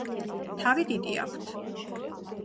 თავი დიდი აქვთ.